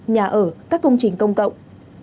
nhà ở các công trình công cộng